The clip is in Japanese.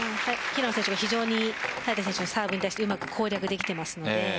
平野選手、非常に早田選手のサーブに対してうまく攻略できています。